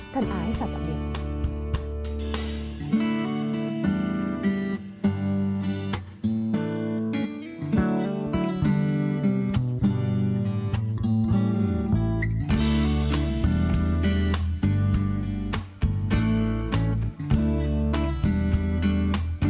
thân ái chào tạm biệt